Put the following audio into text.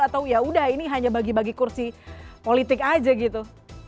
atau ya udah ini hanya bagi bagi kursi politik aja gitu